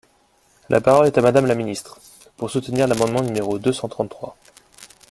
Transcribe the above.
La parole est à Madame la ministre, pour soutenir l’amendement numéro deux cent trente-trois.